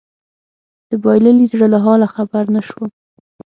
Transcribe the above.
د بايللي زړه له حاله خبر نه شوم